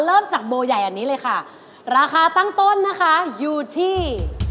เริ่มจากโบใหญ่อันนี้เลยค่ะราคาตั้งต้นนะคะอยู่ที่